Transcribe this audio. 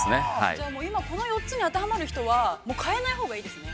◆じゃあ、今この４つに当てはまる人はもう変えないほうがいいですね。